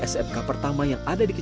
sebuah terobosan yang menekankan